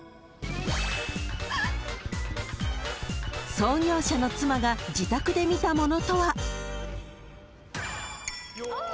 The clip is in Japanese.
［創業者の妻が自宅で見たものとは？］